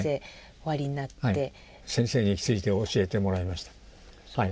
先生について教えてもらいました。